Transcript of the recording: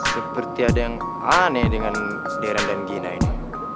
seperti ada yang aneh dengan sederen dan gina ini